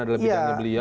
adalah bidangnya beliau